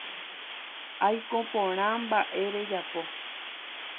Aiko porã. Mba’e rejapo.